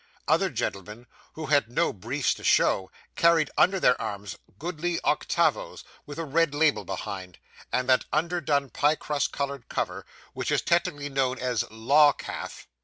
Other gentlemen, who had no briefs to show, carried under their arms goodly octavos, with a red label behind, and that under done pie crust coloured cover, which is technically known as 'law calf.